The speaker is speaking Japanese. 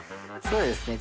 そうですね